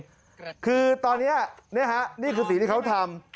ลี่คือสิทธิ์ที่เขาทำ